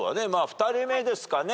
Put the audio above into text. ２人目ですかね？